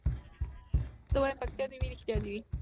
زه وايم پکتيا دي وي رښتيا دي وي